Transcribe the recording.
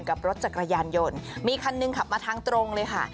กับรถจักรยานยนต์มีคันหนึ่งขับมาทางตรงเลยค่ะ